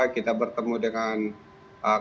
kita bertemu dengan ke porets